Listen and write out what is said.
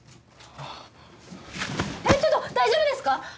ちょっと大丈夫ですか？